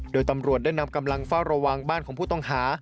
โดยตำรวจได้นำกำลังเฝ้าระวังบ้านของผู้ต้องหา